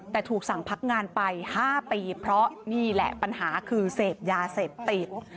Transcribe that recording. แต่ถูกสั่งพักงานไป๕ปีเพราะนี่แหละปัญหาคือเสพยาเสพติด